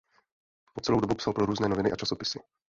Po celou dobu psal pro různé noviny a časopisy.